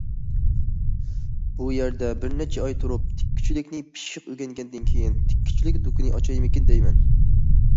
بۇ يەردە بىر نەچچە ئاي تۇرۇپ، تىككۈچىلىكنى پىششىق ئۆگەنگەندىن كېيىن، تىككۈچىلىك دۇكىنى ئاچايمىكىن دەيمەن.